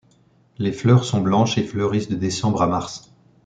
Les fleurs sont blanches et fleurissent de décembre à mars.